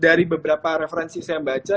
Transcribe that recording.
dari beberapa referensi saya baca